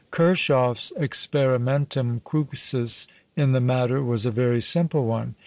Kirchhoff's experimentum crucis in the matter was a very simple one.